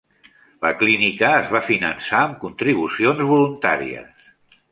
La clínica es va finançar amb contribucions voluntàries.